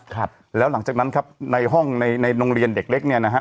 ครับแล้วหลังจากนั้นครับในห้องในในโรงเรียนเด็กเล็กเนี่ยนะฮะ